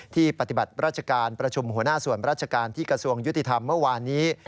ปฏิบัติราชการประชุมหัวหน้าส่วนราชการที่กระทรวงยุติธรรมเมื่อวานนี้